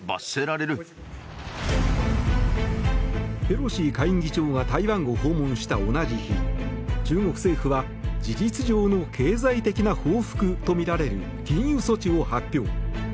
ペロシ下院議長が台湾を訪問した同じ日中国政府は事実上の経済的な報復とみられる禁輸措置を発表。